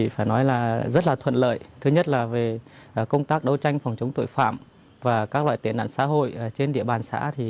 phải nói là rất là thuận lợi thứ nhất là về công tác đấu tranh phòng chống tội phạm và các loại tệ nạn xã hội trên địa bàn xã